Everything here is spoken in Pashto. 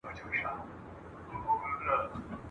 شهرت هم یو څو شېبې وي د سړي مخ ته ځلیږي ,